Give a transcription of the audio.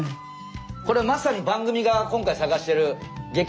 これまさに番組が今回探してる激